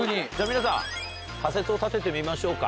皆さん、仮説を立ててみましょうか。